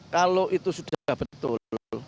kalau itu sudah betul